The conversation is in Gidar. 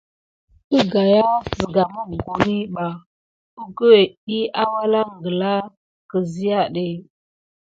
Əgaya siga mokoni bà akudekene dik awulan gala kisia ɗe.